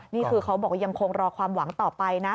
นี่คือเขาบอกว่ายังคงรอความหวังต่อไปนะ